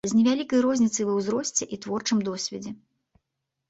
З невялікай розніцай ва ўзросце і творчым досведзе.